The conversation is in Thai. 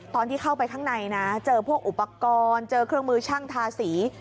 ตอนที่เข้าไปข้างในนะเจอพวกอุปกรณ์เจอเครื่องมือช่างทาสี